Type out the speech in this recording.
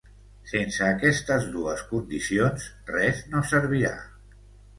Sense aquestes dues condicions, res no servirà.